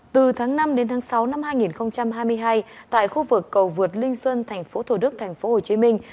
từ tháng năm đến tháng sáu năm hai nghìn hai mươi hai tại khu vực cầu vượt linh xuân thành phố thủ đức thành phố hồ chí minh